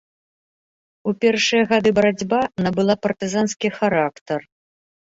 У першыя гады барацьба набыла партызанскі характар.